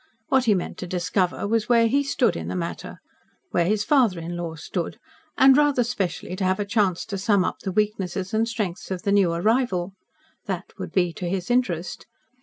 What he meant to discover was where he stood in the matter where his father in law stood, and, rather specially, to have a chance to sum up the weaknesses and strengths of the new arrival. That would be to his interest.